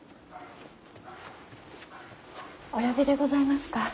お呼びでございますか。